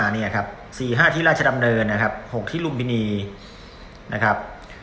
นี่ครับ๔๕ที่ราชดำเนินนะครับ๖ที่ลุมพินีนะครับ